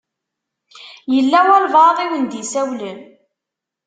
Yella walebɛaḍ i wen-d-isawlen?